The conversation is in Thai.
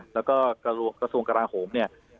แล้วก็กระทรวงกราโหมเนี่ย